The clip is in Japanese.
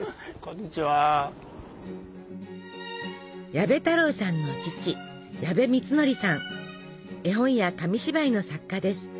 矢部太郎さんの父絵本や紙芝居の作家です。